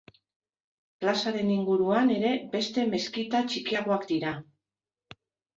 Plazaren inguruan ere beste meskita txikiagoak dira.